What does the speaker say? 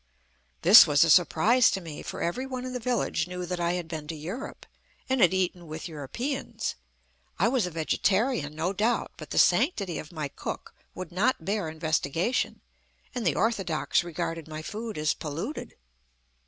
This was a surprise to me, for every one in the village knew that I had been to Europe, and had eaten with Europeans. I was a vegetarian, no doubt, but the sanctity of my cook would not bear investigation, and the orthodox regarded my food as polluted.